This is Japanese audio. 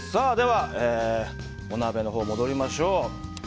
お鍋のほうに戻りましょう。